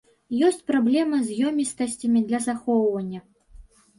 Ёсць праблема з ёмістасцямі для захоўвання.